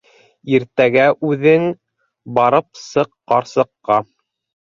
Иртәгә үҙең барып сыҡ ҡарсыҡҡа.